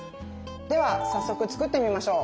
では早速作ってみましょう！